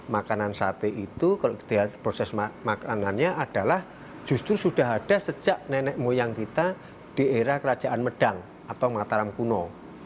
makanan sate itu kalau kita lihat proses makanannya adalah justru sudah ada sejak nenek moyang kita di era kerajaan medang atau mataram kuno